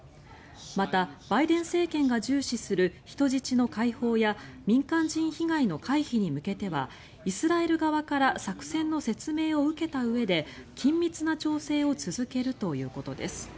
また、バイデン政権が重視する人質の解放や民間人被害の回避に向けてはイスラエル側から作戦の説明を受けたうえで緊密な調整を続けるということです。